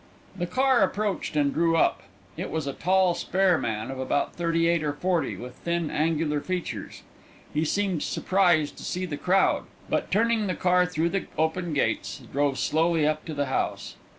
The car approached and drew up. In it was a tall, spare man of about thirty eight or forty, with thin, angular features. He seemed surprised to see the crowd; but turning the car through the open gates drove slowly up to the house.